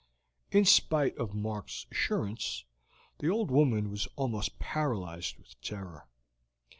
In spite of Mark's assurance, the old woman was almost paralyzed with terror.